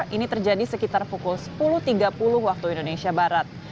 ini terjadi sekitar pukul sepuluh tiga puluh waktu indonesia barat